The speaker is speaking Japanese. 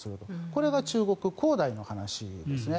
これが中国恒大の話ですね。